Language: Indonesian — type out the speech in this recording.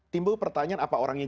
timbul pertanyaan apa orangnya